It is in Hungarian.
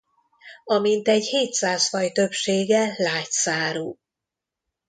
A mintegy hétszáz faj többsége lágy szárú.